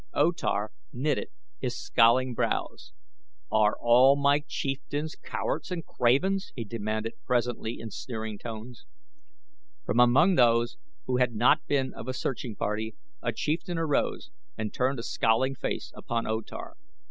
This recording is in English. O Tar knitted his scowling brows. "Are all my chieftains cowards and cravens?" he demanded presently in sneering tones. From among those who had not been of the searching party a chieftain arose and turned a scowling face upon O Tar.